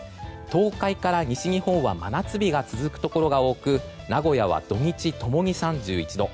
東海から西日本は真夏日が続くところが多く名古屋は土日ともに３１度。